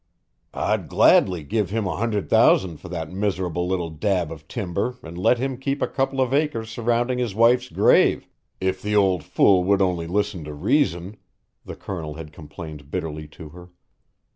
"I'd gladly give him a hundred thousand for that miserable little dab of timber and let him keep a couple of acres surrounding his wife's grave, if the old fool would only listen to reason," the Colonel had complained bitterly to her.